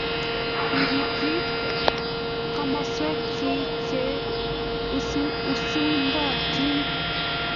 Iribrib komoswek chi che usundotin